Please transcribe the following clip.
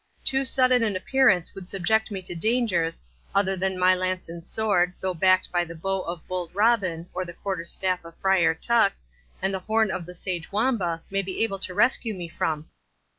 Too sudden an appearance would subject me to dangers, other than my lance and sword, though backed by the bow of bold Robin, or the quarter staff of Friar Tuck, and the horn of the sage Wamba, may be able to rescue me from."